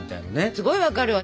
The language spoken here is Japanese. すごい分かるわ。